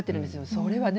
それはね